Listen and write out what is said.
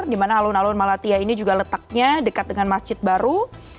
dimana alun alun malatya ini juga letaknya dekat dengan masjid baru